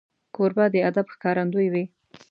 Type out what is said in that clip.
کوربه د ادب ښکارندوی وي.